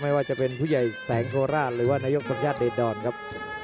ไม่ว่าจะเป็นผู้ใหญ่แสงโคราชหรือว่านายกสมชาติเดดรครับ